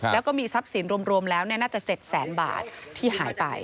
แล้วก็มีทรัพย์สินรวมแล้วน่าจะ๗แสนบาทที่หายไป